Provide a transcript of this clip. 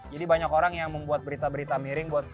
jadi banyak orang yang membuat berita berita miring buat